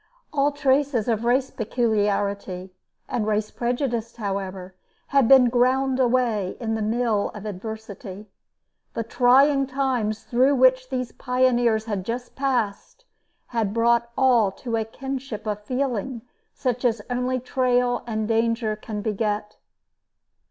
All traces of race peculiarity and race prejudice, however, had been ground away in the mill of adversity. The trying times through which these pioneers had just passed had brought all to a kinship of feeling such as only trail and danger can beget.